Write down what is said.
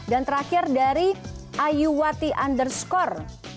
dan terakhir dari ayuwati underscore